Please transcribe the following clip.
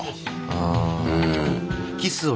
うん。